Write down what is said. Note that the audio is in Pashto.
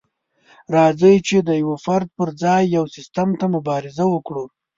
راځئ چې د يوه فرد پر ځای يو سيستم ته مبارزه وکړو.